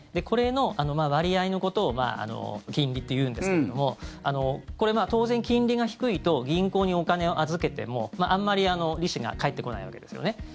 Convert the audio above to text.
これの割合のことを金利というんですけどもこれ、当然金利が低いと銀行にお金を預けてもあんまり利子が返ってこないわけですよね。